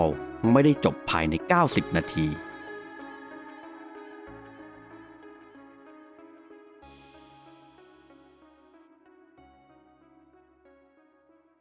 สวัสดีครับ